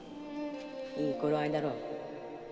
いい頃合だろう？〕